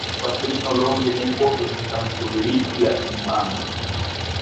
Iu patrino longe ne povis trankviligi la infanon.